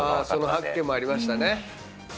その発見もありましたね。